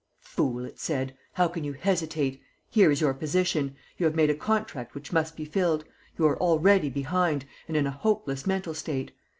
"Fool!" it said, "how can you hesitate? Here is your position: you have made a contract which must be filled; you are already behind, and in a hopeless mental state.